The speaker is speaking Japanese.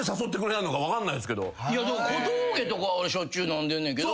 でも小峠とかしょっちゅう飲んでんねんけど。